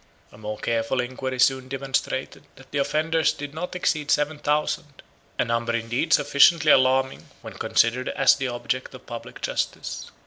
A more careful inquiry soon demonstrated that the offenders did not exceed seven thousand; a number indeed sufficiently alarming, when considered as the object of public justice.